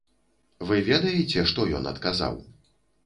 Вы ведаеце, што ён адказаў?